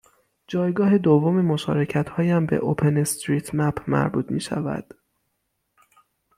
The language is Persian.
جایگاه دوم مشارکتهایم به اوپناستریتمپ مربوط میشود